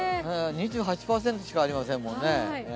２８％しかありませんもんね。